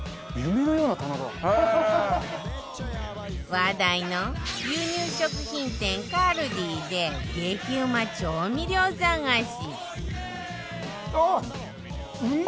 話題の輸入食品店 ＫＡＬＤＩ で激うま調味料探し